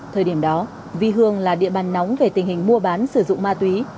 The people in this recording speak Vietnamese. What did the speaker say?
thời điểm đó vi hương là địa bàn nóng về tình hình mua bán sử dụng ma túy